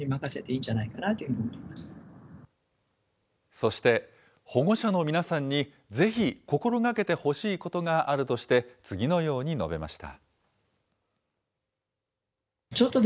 そして、保護者の皆さんにぜひ心がけてほしいことがあるとして、次のように述べました。